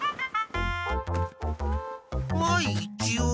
はいいちおう。